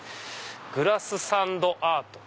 「グラスサンドアート」。